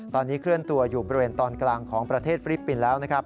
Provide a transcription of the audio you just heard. ตอนนี้เคลื่อนตัวอยู่บริเวณตอนกลางของประเทศฟิลิปปินส์แล้วนะครับ